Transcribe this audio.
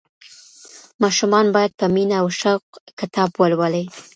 ماشومان باید په مینه او شوق کتاب ولولي.